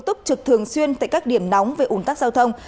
tức trực thường xuyên tại các điểm nóng về ủng tắc giao thông